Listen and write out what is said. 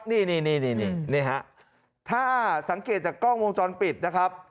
นี่ฮะถ้าสังเกตจากกล้องวงจรปิดนะครับ